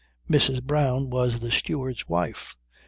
Mrs. Brown was the steward's wife.